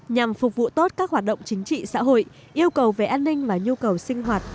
nhằm phục vụ tốt các hoạt động chính trị xã hội yêu cầu về an ninh và nhu cầu sinh hoạt